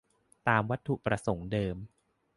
"ตามวัตถุประสงค์เดิม"